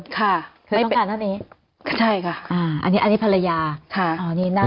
ค่ะต้องการเท่านี้ใช่ค่ะอ่าอันนี้อันนี้ภรรยาค่ะอ๋อนี่นั่ง